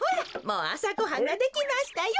もうあさごはんができましたよ。